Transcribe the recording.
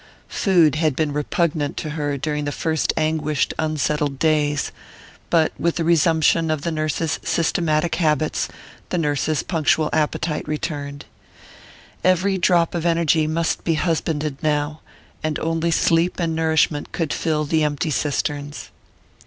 Food had been repugnant to her during the first anguished unsettled days, but with the resumption of the nurse's systematic habits the nurse's punctual appetite returned. Every drop of energy must be husbanded now, and only sleep and nourishment could fill the empty cisterns.